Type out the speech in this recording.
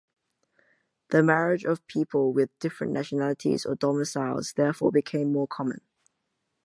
The marriage of people with different nationalities or domiciles therefore became more common.